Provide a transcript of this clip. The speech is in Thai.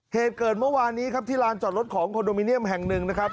เหตุเกิดเมื่อวานนี้ครับที่ลานจอดรถของคอนโดมิเนียมแห่งหนึ่งนะครับ